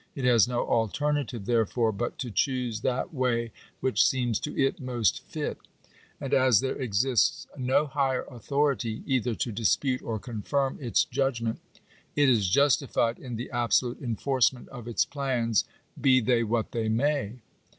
It has no alternative, therefore, but to choose that way which seems to it most fit. And as there exists no higher authority, either to dispute or confirm its judg ment, it is justified in the absolute enforcement of its plans, be they what they may.